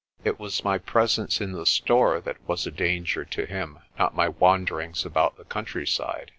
It was my presence in the store that was a danger to him, not my wanderings about the countryside.